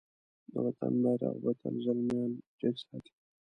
د وطن بېرغ به تل زلميان جګ ساتی.